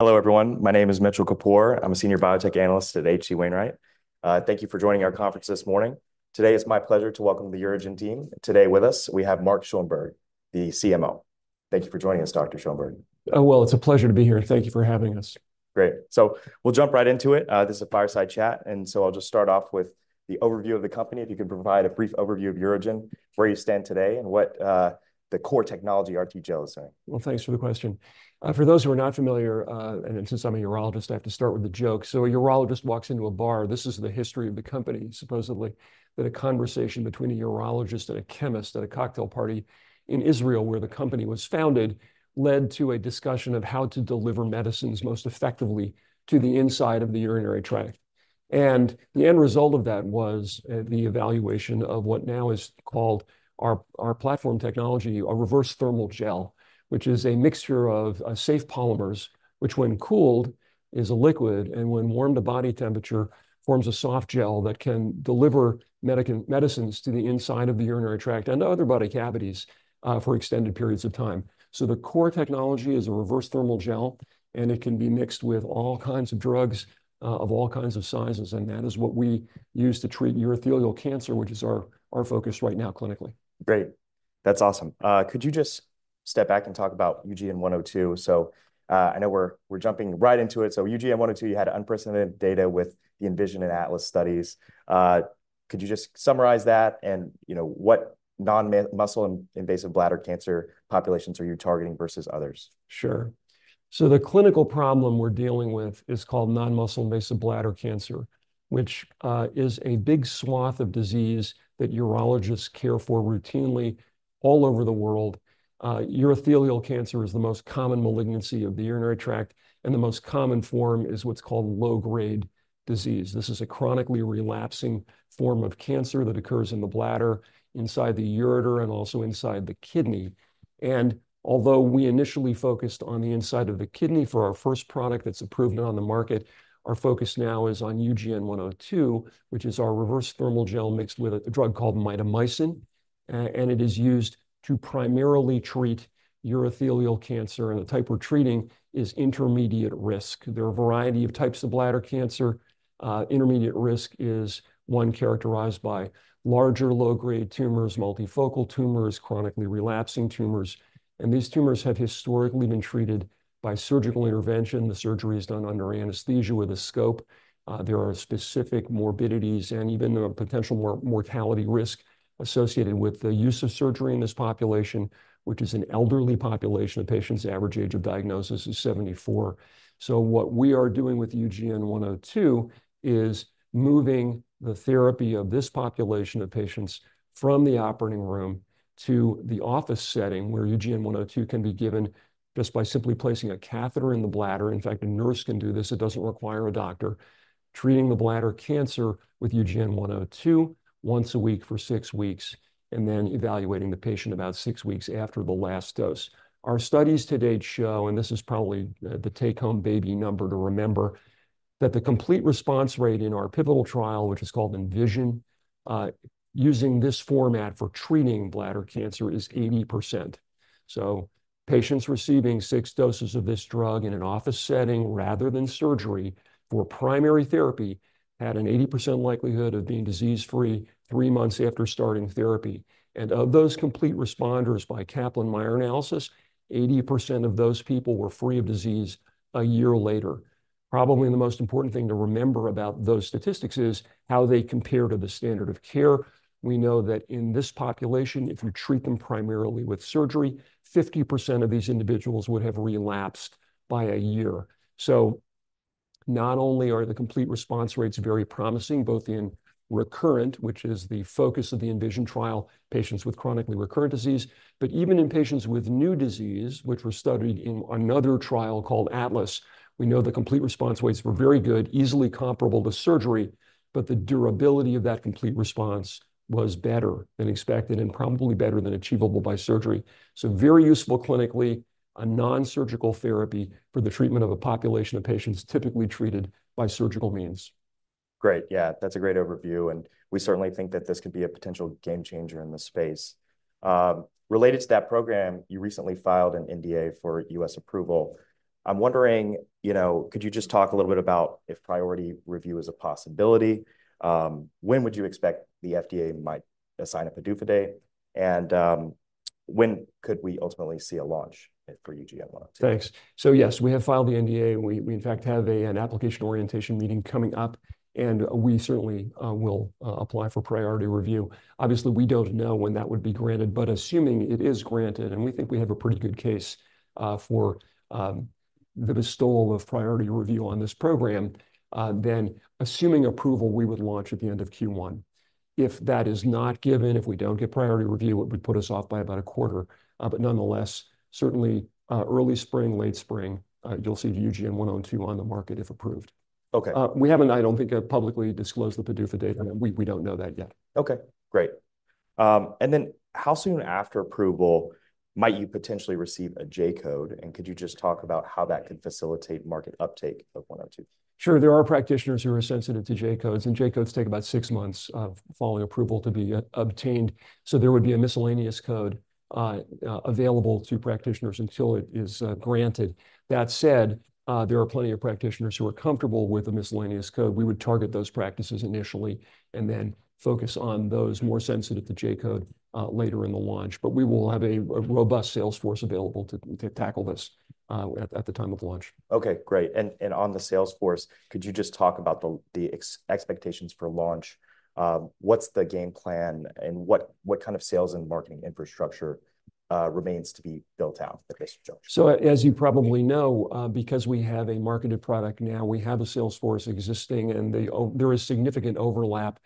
Hello, everyone. My name is Mitchell Kapoor. I'm a Senior Biotech Analyst at H.C. Wainwright. Thank you for joining our conference this morning. Today, it's my pleasure to welcome the UroGen team. Today with us, we have Mark Schoenberg, the CMO. Thank you for joining us, Dr. Schoenberg. Oh, well, it's a pleasure to be here. Thank you for having us. Great. So we'll jump right into it. This is a fireside chat, and so I'll just start off with the overview of the company. If you could provide a brief overview of UroGen, where you stand today, and what, the core technology RTGel is saying. Thanks for the question. For those who are not familiar, and since I'm a urologist, I have to start with a joke. A urologist walks into a bar. This is the history of the company, supposedly, that a conversation between a urologist and a chemist at a cocktail party in Israel, where the company was founded, led to a discussion of how to deliver medicines most effectively to the inside of the urinary tract. The end result of that was the evaluation of what now is called our platform technology, a reverse thermal gel, which is a mixture of safe polymers, which, when cooled, is a liquid, and when warmed to body temperature, forms a soft gel that can deliver medicines to the inside of the urinary tract and other body cavities for extended periods of time. The core technology is a reverse thermal gel, and it can be mixed with all kinds of drugs of all kinds of sizes, and that is what we use to treat urothelial cancer, which is our focus right now clinically. Great. That's awesome. Could you just step back and talk about UGN-102? So, I know we're jumping right into it. So UGN-102, you had unprecedented data with the ENVISION and ATLAS studies. Could you just summarize that? And you know, what non-muscle invasive bladder cancer populations are you targeting versus others? Sure. So the clinical problem we're dealing with is called non-muscle invasive bladder cancer, which is a big swath of disease that urologists care for routinely all over the world. Urothelial cancer is the most common malignancy of the urinary tract, and the most common form is what's called low-grade disease. This is a chronically relapsing form of cancer that occurs in the bladder, inside the ureter, and also inside the kidney. And although we initially focused on the inside of the kidney for our first product that's approved and on the market, our focus now is on UGN-102, which is our reverse thermal gel mixed with a drug called mitomycin, and it is used to primarily treat urothelial cancer, and the type we're treating is intermediate risk. There are a variety of types of bladder cancer. Intermediate risk is one characterized by larger, low-grade tumors, multifocal tumors, chronically relapsing tumors, and these tumors have historically been treated by surgical intervention. The surgery is done under anesthesia with a scope. There are specific morbidities, and even a potential mortality risk associated with the use of surgery in this population, which is an elderly population of patients. The average age of diagnosis is seventy-four. So what we are doing with UGN-102 is moving the therapy of this population of patients from the operating room to the office setting, where UGN-102 can be given just by simply placing a catheter in the bladder. In fact, a nurse can do this. It doesn't require a doctor. Treating the bladder cancer with UGN-102 once a week for six weeks, and then evaluating the patient about six weeks after the last dose. Our studies to date show, and this is probably, the take-home baby number to remember, that the complete response rate in our pivotal trial, which is called ENVISION, using this format for treating bladder cancer, is 80%. So patients receiving six doses of this drug in an office setting rather than surgery for primary therapy had an 80% likelihood of being disease-free three months after starting therapy. And of those complete responders, by Kaplan-Meier analysis, 80% of those people were free of disease a year later. Probably the most important thing to remember about those statistics is how they compare to the standard of care. We know that in this population, if you treat them primarily with surgery, 50% of these individuals would have relapsed by a year. So not only are the complete response rates very promising, both in recurrent, which is the focus of the ENVISION trial, patients with chronically recurrent disease, but even in patients with new disease, which were studied in another trial called ATLAS, we know the complete response rates were very good, easily comparable to surgery, but the durability of that complete response was better than expected and probably better than achievable by surgery. So very useful clinically, a non-surgical therapy for the treatment of a population of patients typically treated by surgical means. Great. Yeah, that's a great overview, and we certainly think that this could be a potential game changer in this space. Related to that program, you recently filed an NDA for U.S. approval. I'm wondering, you know, could you just talk a little bit about if priority review is a possibility? When would you expect the FDA might assign a PDUFA date, and, when could we ultimately see a launch for UGN-102? Thanks. So yes, we have filed the NDA, and we in fact have an application orientation meeting coming up, and we certainly will apply for priority review. Obviously, we don't know when that would be granted, but assuming it is granted, and we think we have a pretty good case for the bestowal of priority review on this program, then assuming approval, we would launch at the end of Q1. If that is not given, if we don't get priority review, it would put us off by about a quarter, but nonetheless, certainly early spring, late spring, you'll see UGN-102 on the market, if approved. Okay. We haven't, I don't think, publicly disclosed the PDUFA date. I mean, we don't know that yet. Okay, great. And then how soon after approval might you potentially receive a J-code? And could you just talk about how that could facilitate market uptake of one or two? Sure, there are practitioners who are sensitive to J-codes, and J-codes take about six months of following approval to be obtained. So there would be a miscellaneous code available to practitioners until it is granted. That said, there are plenty of practitioners who are comfortable with the miscellaneous code. We would target those practices initially and then focus on those more sensitive to J-code later in the launch. But we will have a robust sales force available to tackle this at the time of launch. Okay, great. And on the sales force, could you just talk about the expectations for launch? What's the game plan, and what kind of sales and marketing infrastructure remains to be built out at this juncture? So as you probably know, because we have a marketed product now, we have a sales force existing, and there is significant overlap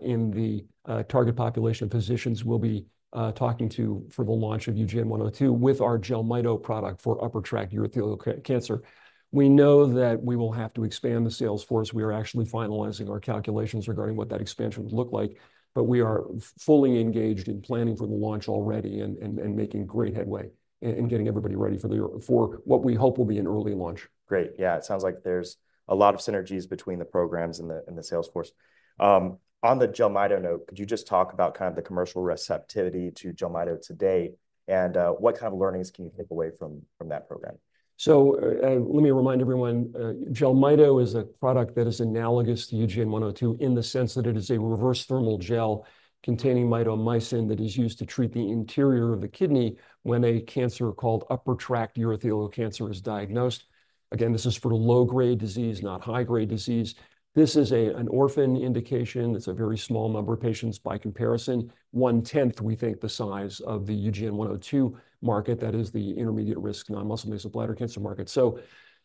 in the target population of physicians we'll be talking to for the launch of UGN-102 with our Jelmyto product for upper tract urothelial cancer. We know that we will have to expand the sales force. We are actually finalizing our calculations regarding what that expansion would look like, but we are fully engaged in planning for the launch already and making great headway in getting everybody ready for what we hope will be an early launch. Great. Yeah, it sounds like there's a lot of synergies between the programs and the sales force. On the Jelmyto note, could you just talk about kind of the commercial receptivity to Jelmyto to date, and what kind of learnings can you take away from that program? Let me remind everyone, Jelmyto is a product that is analogous to UGN-102, in the sense that it is a reverse thermal gel containing mitomycin that is used to treat the interior of the kidney when a cancer called upper tract urothelial cancer is diagnosed. Again, this is for low-grade disease, not high-grade disease. This is an orphan indication. It's a very small number of patients by comparison, one-tenth, we think, the size of the UGN-102 market. That is the intermediate-risk non-muscle invasive bladder cancer market.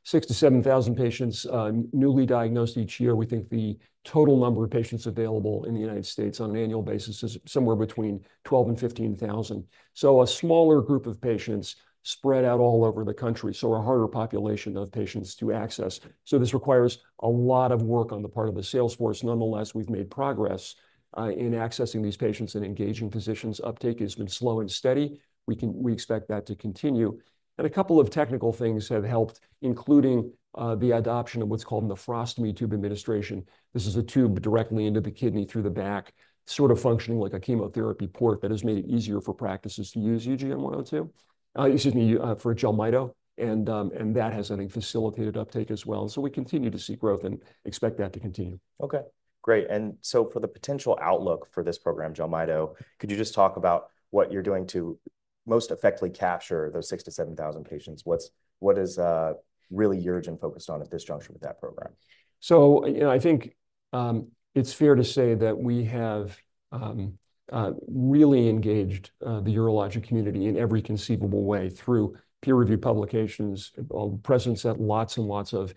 Six to seven thousand patients, newly diagnosed each year. We think the total number of patients available in the United States on an annual basis is somewhere between twelve and fifteen thousand. A smaller group of patients spread out all over the country, so a harder population of patients to access. So this requires a lot of work on the part of the sales force. Nonetheless, we've made progress in accessing these patients and engaging physicians. Uptake has been slow and steady. We expect that to continue. And a couple of technical things have helped, including the adoption of what's called nephrostomy tube administration. This is a tube directly into the kidney through the back, sort of functioning like a chemotherapy port that has made it easier for practices to use UGN-102, excuse me, for Jelmyto, and that has, I think, facilitated uptake as well. So we continue to see growth and expect that to continue. Okay, great. And so for the potential outlook for this program, Jelmyto, could you just talk about what you're doing to most effectively capture those 6,000-7,000 patients? What is really UroGen focused on at this juncture with that program? So, you know, I think, it's fair to say that we have, really engaged, the urologic community in every conceivable way through peer-reviewed publications, presence at lots and lots of,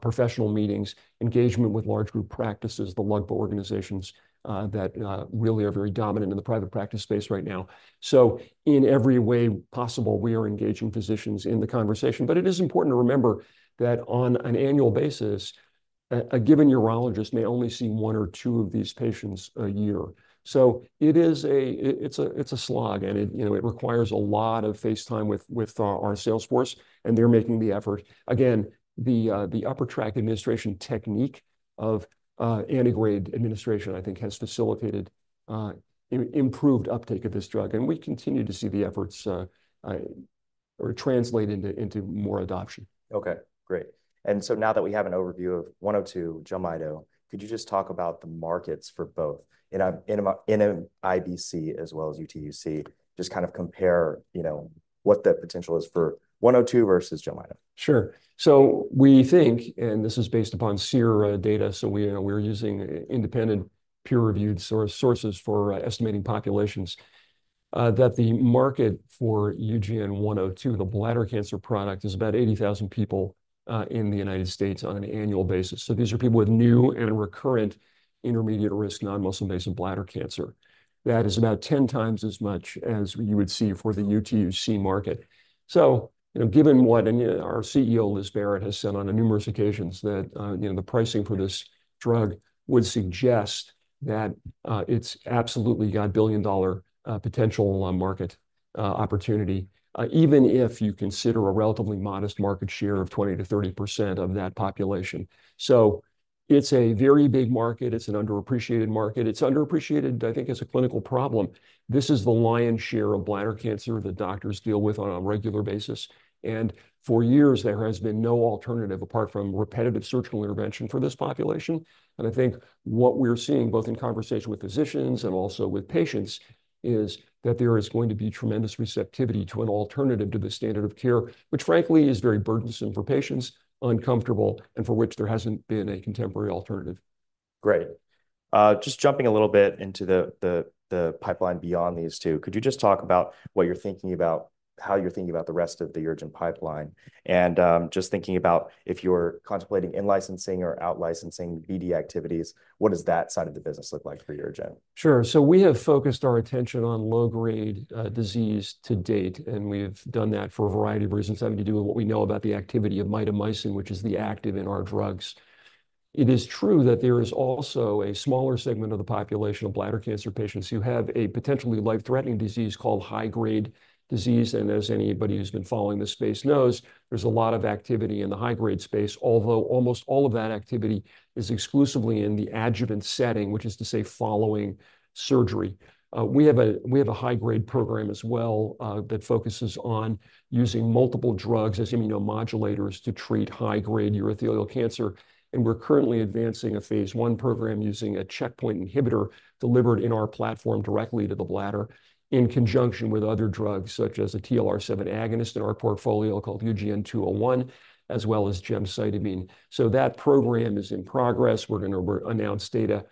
professional meetings, engagement with large group practices, the LUGPA organizations, that, really are very dominant in the private practice space right now. So in every way possible, we are engaging physicians in the conversation. But it is important to remember that on an annual basis, a given urologist may only see one or two of these patients a year. So it is a slog, and it, you know, it requires a lot of face time with, our sales force, and they're making the effort. Again, the upper tract administration technique of antegrade administration, I think, has facilitated improved uptake of this drug, and we continue to see the efforts translate into more adoption. Okay, great. And so now that we have an overview of one oh two, Jelmyto, could you just talk about the markets for both in an IBC as well as UTUC? Just kind of compare, you know, what the potential is for one oh two versus Jelmyto. Sure. So we think, and this is based upon SEER data, so we, you know, we're using independent peer-reviewed sources for estimating populations, that the market for UGN-102, the bladder cancer product, is about 80,000 people in the United States on an annual basis. So these are people with new and recurrent intermediate-risk non-muscle invasive bladder cancer. That is about 10 times as much as you would see for the UTUC market. So, you know, given what, and, you know, our CEO, Liz Barrett, has said on numerous occasions, that, you know, the pricing for this drug would suggest that it's absolutely got billion-dollar potential on market opportunity, even if you consider a relatively modest market share of 20%-30% of that population. So it's a very big market. It's an underappreciated market. It's underappreciated, I think, as a clinical problem. This is the lion's share of bladder cancer that doctors deal with on a regular basis, and for years, there has been no alternative, apart from repetitive surgical intervention, for this population, and I think what we're seeing, both in conversation with physicians and also with patients, is that there is going to be tremendous receptivity to an alternative to the standard of care, which, frankly, is very burdensome for patients, uncomfortable, and for which there hasn't been a contemporary alternative. Great. Just jumping a little bit into the pipeline beyond these two, could you just talk about what you're thinking about—how you're thinking about the rest of the UroGen pipeline? And, just thinking about if you're contemplating in-licensing or out-licensing BD activities, what does that side of the business look like for UroGen? Sure. So we have focused our attention on low-grade disease to date, and we've done that for a variety of reasons having to do with what we know about the activity of mitomycin, which is the active in our drugs. It is true that there is also a smaller segment of the population of bladder cancer patients who have a potentially life-threatening disease called high-grade disease. And as anybody who's been following this space knows, there's a lot of activity in the high-grade space, although almost all of that activity is exclusively in the adjuvant setting, which is to say, following surgery. We have a high-grade program as well that focuses on using multiple drugs as immunomodulators to treat high-grade urothelial cancer, and we're currently advancing a phase I program using a checkpoint inhibitor delivered in our platform directly to the bladder in conjunction with other drugs, such as a TLR7 agonist in our portfolio called UGN-201, as well as gemcitabine. That program is in progress. We're gonna announce data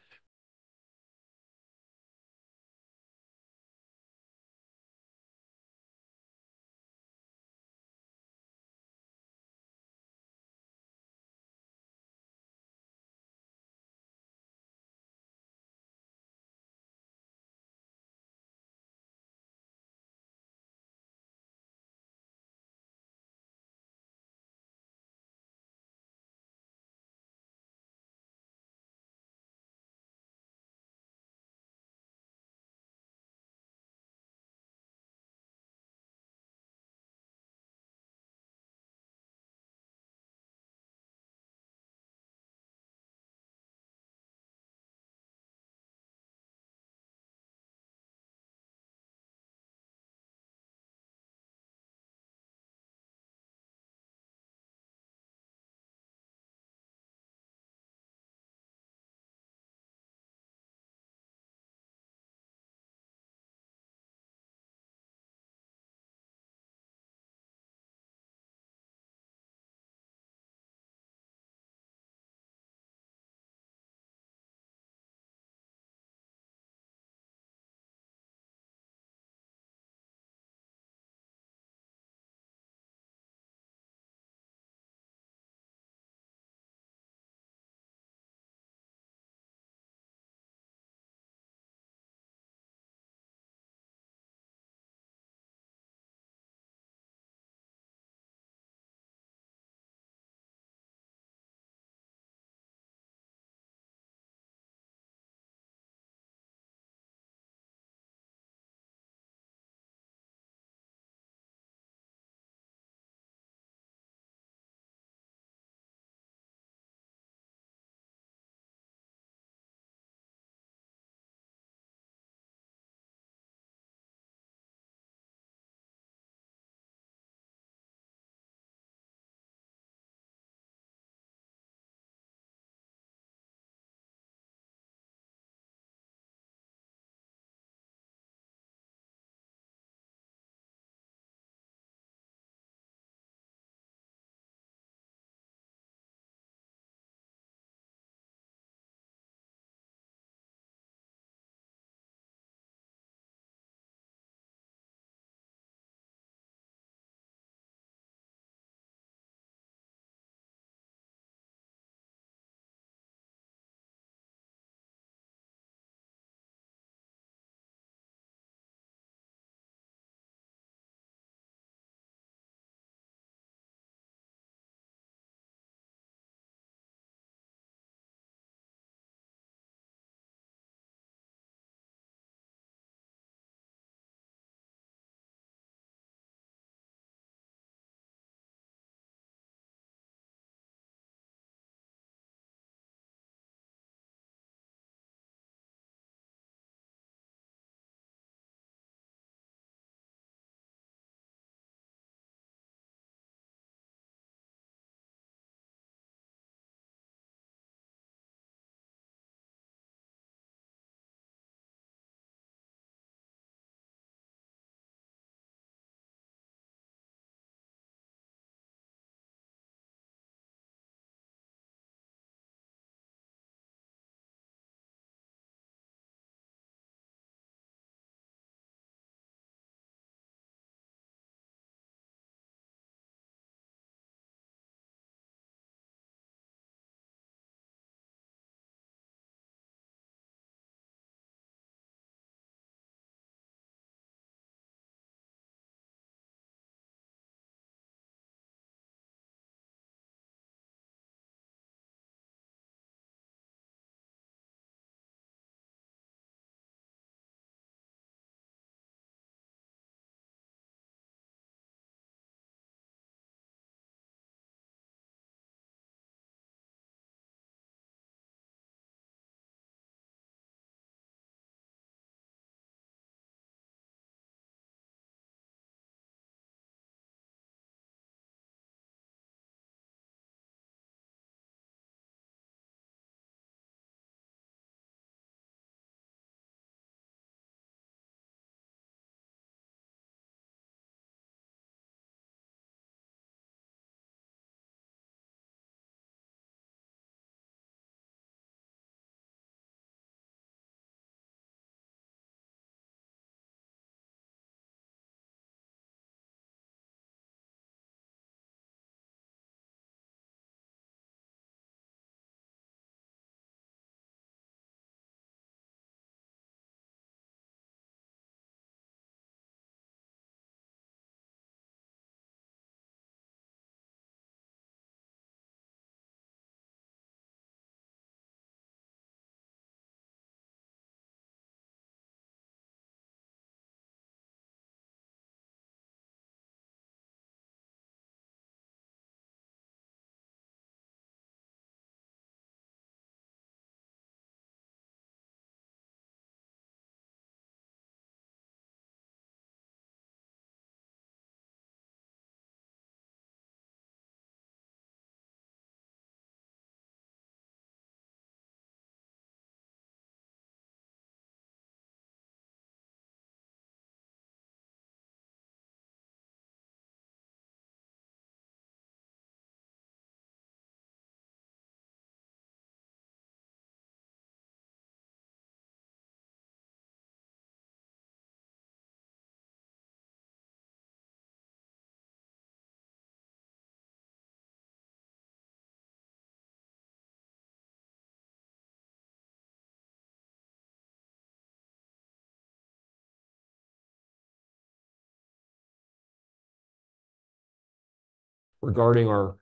regarding our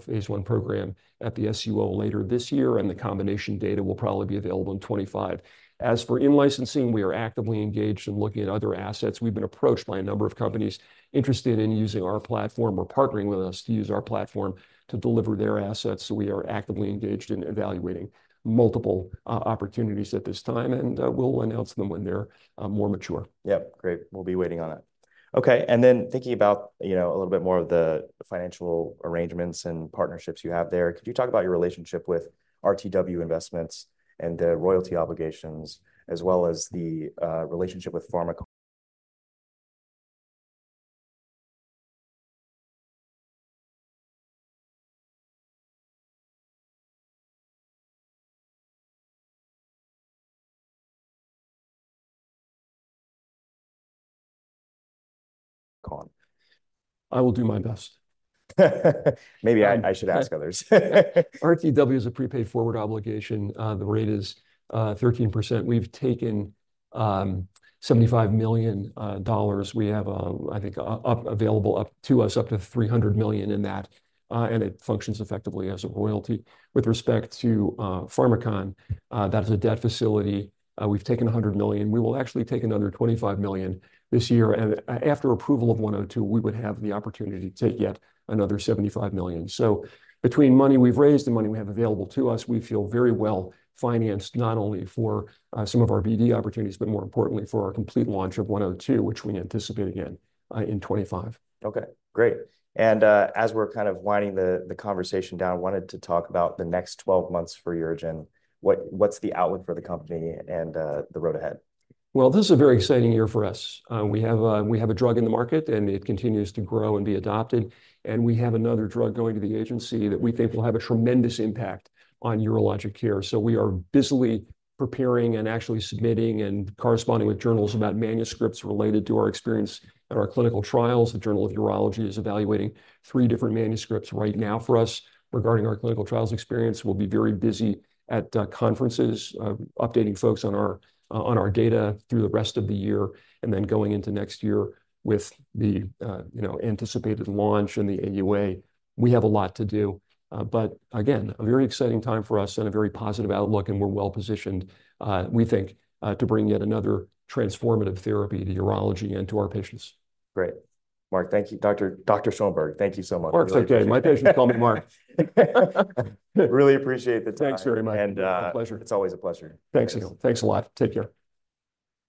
phase I program at the SUO later this year, and the combination data will probably be available in 2025. As for in-licensing, we are actively engaged in looking at other assets. We've been approached by a number of companies interested in using our platform or partnering with us to use our platform to deliver their assets, so we are actively engaged in evaluating multiple opportunities at this time, and we'll announce them when they're more mature. Yep, great. We'll be waiting on it. Okay, and then thinking about, you know, a little bit more of the financial arrangements and partnerships you have there, could you talk about your relationship with RTW Investments and the royalty obligations, as well as the relationship with Pharmakon? I will do my best. Maybe I should ask others. RTW is a prepaid forward obligation. The rate is 13%. We've taken $75 million. We have, I think, up to $300 million available to us in that, and it functions effectively as a royalty. With respect to Pharmakon, that is a debt facility. We've taken $100 million. We will actually take another $25 million this year, and after approval of one oh two, we would have the opportunity to take yet another $75 million. So between money we've raised and money we have available to us, we feel very well-financed, not only for some of our BD opportunities, but more importantly, for our complete launch of one oh two, which we anticipate again in 2025. Okay, great. And, as we're kind of winding the conversation down, wanted to talk about the next twelve months for UroGen. What, what's the outlook for the company and, the road ahead? This is a very exciting year for us. We have a drug in the market, and it continues to grow and be adopted, and we have another drug going to the agency that we think will have a tremendous impact on urologic care. We are busily preparing and actually submitting and corresponding with journals about manuscripts related to our experience at our clinical trials. The Journal of Urology is evaluating three different manuscripts right now for us regarding our clinical trials experience. We'll be very busy at conferences, updating folks on our data through the rest of the year, and then going into next year with the you know anticipated launch and the AUA. We have a lot to do, but again, a very exciting time for us and a very positive outlook, and we're well-positioned, we think, to bring yet another transformative therapy to urology and to our patients. Great. Mark, thank you. Dr. Schoenberg, thank you so much. Mark's okay. My patients call me Mark. Really appreciate the time. Thanks very much. And, uh- A pleasure. It's always a pleasure. Thanks again. Thanks a lot. Take care.